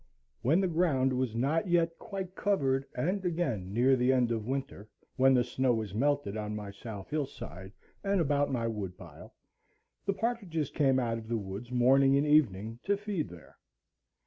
When the ground was not yet quite covered, and again near the end of winter, when the snow was melted on my south hill side and about my wood pile, the partridges came out of the woods morning and evening to feed there.